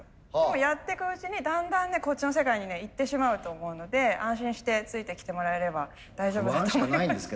もうやってくうちにだんだんねこっちの世界にね行ってしまうと思うので安心してついてきてもらえれば大丈夫だと思います。